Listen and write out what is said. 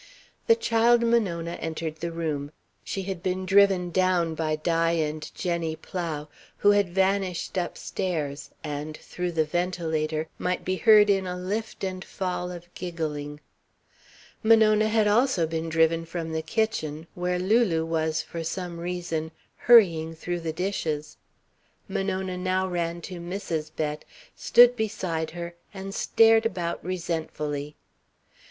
The child Monona entered the room. She had been driven down by Di and Jenny Plow, who had vanished upstairs and, through the ventilator, might be heard in a lift and fall of giggling. Monona had also been driven from the kitchen where Lulu was, for some reason, hurrying through the dishes. Monona now ran to Mrs. Bett, stood beside her and stared about resentfully. Mrs.